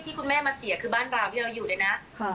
คุณแม่มาเสียคือบ้านเราที่เราอยู่เลยนะ